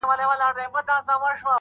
په زر چنده مرگ بهتره دی,